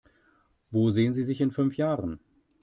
Wo sehen Sie sich in fünf Jahren?